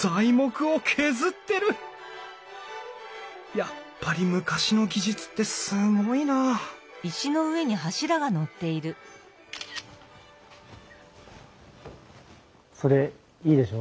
やっぱり昔の技術ってすごいなそれいいでしょ？